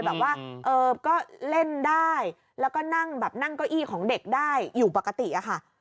แบบว่าก็เล่นได้แล้วก็นั่งแบบนั่งเก้าอี้ของเด็กได้อยู่ปกติอะค่ะ